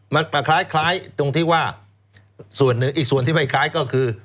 มันคล้ายตรงที่ว่าส่วนหนึ่งอีกส่วนที่ไม่คล้ายก็คือ